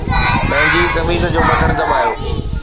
پنهنجي قميص جو بٽڻ دٻايو